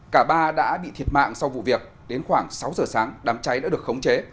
cả ba đã bị thiệt mạng sau vụ việc đến khoảng sáu giờ sáng đám cháy đã được khống chế